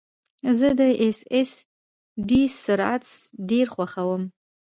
زه د ایس ایس ډي سرعت ډېر خوښوم.